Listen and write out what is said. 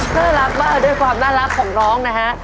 น่ารักมากด้วยความน่ารักของน้องนะฮะ